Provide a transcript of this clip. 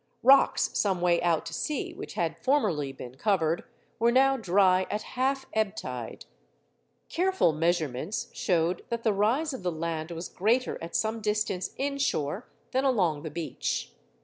Rocks some way out to sea which had formerly been covered, were now dry at half ebb tide. Careful measurements showed that the rise of the land was greater at some distance inshore than along the beach.